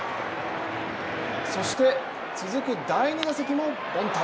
そして、続く第２打席も凡退。